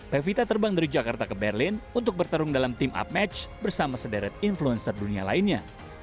pevita terbang dari jakarta ke berlin untuk bertarung dalam team up match bersama sederet influencer dunia lainnya